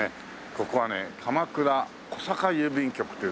ここはね鎌倉小坂郵便局という。